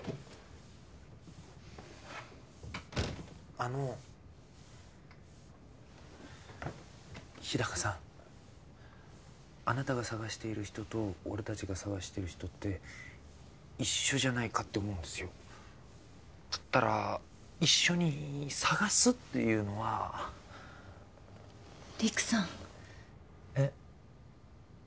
あの日高さんあなたが捜している人と俺達が捜している人って一緒じゃないかって思うんですよだったら一緒に捜すっていうのは陸さんえっ？